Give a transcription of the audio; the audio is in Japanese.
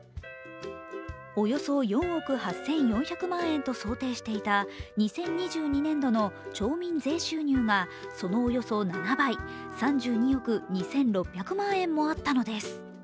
およそ４億８４００万円と想定していた２０２２年度の町民税収入がそのおよそ７倍、３２億２６００万円もあったのです。